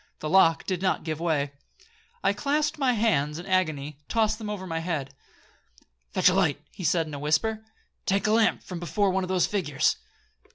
The lock did not give way—I clasped my hands in agony—I tossed them over my head. 'Fetch a light,' he said in a whisper; 'take a lamp from before one of those figures.'